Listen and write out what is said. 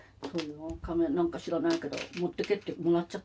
何か知らないけど持ってけって。